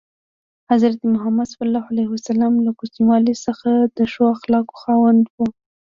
حضرت محمد ﷺ له کوچنیوالي څخه د ښو اخلاقو خاوند و.